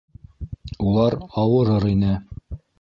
—Улар ауырыр ине.